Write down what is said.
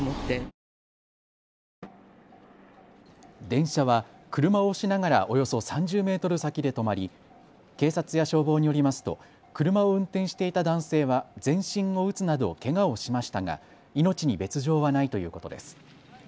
電車は車を押しながらおよそ３０メートル先で止まり警察や消防によりますと車を運転していた男性は全身を打つなどけがをしましたが命に別状はないということです。